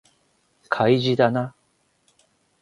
開示だな